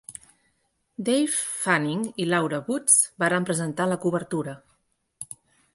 Dave Fanning i Laura Woods varen presentar la cobertura.